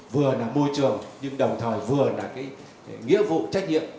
vừa là môi trường nhưng đồng thời vừa là cái nghĩa vụ trách nhiệm